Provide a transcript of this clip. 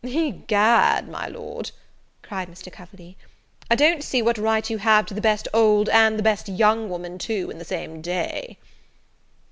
"Egad, my Lord," cried Mr. Coverley, "I don't see what right you have to the best old, and the best young woman too, in the same day."